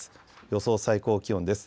予想最高気温です。